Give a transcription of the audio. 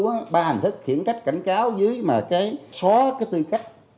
có ba hình thức khiển trách cảnh cáo dưới mà cái xóa cái tư cách